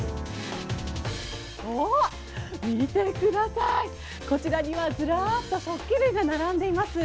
おー、見てください、こちらにはずらっと食器類が並んでいます。